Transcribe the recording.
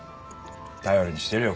頼りにしてるよ